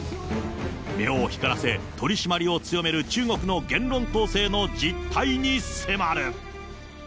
目を光らせ、取締りを強める中国の言論統制の実態に迫る。